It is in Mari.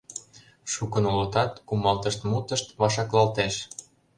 Шукын улытат, кумалтыш мутышт вашаклалтеш.